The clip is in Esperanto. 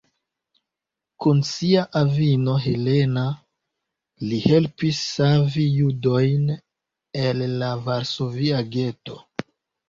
Kun sia avino Helena li helpis savi judojn el la Varsovia geto.